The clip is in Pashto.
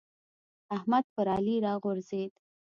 احمد پر علي راغورځېد.